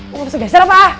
gak bisa geser apa